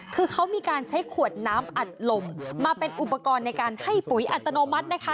คือเขามีการใช้ขวดน้ำอัดลมมาเป็นอุปกรณ์ในการให้ปุ๋ยอัตโนมัตินะคะ